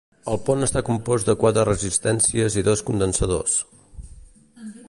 El pont està compost de quatre resistències i dos condensadors.